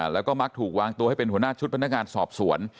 แล้วก็มักถูกวางตัวให้เป็นหัวหน้าชุดพนักงานสอบสวน